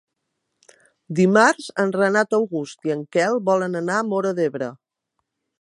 Dimarts en Renat August i en Quel volen anar a Móra d'Ebre.